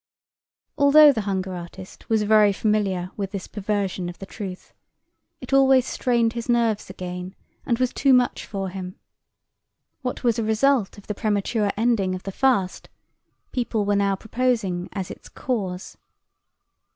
Although the hunger artist was very familiar with this perversion of the truth, it always strained his nerves again and was too much for him. What was a result of the premature ending of the fast people were now proposing as its cause!